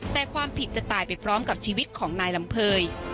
แต่ความผิดจะตายไปพร้อมกับชีวิตของนายลำเภย